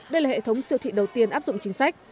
đây là hệ thống siêu thị đầu tiên áp dụng chính sách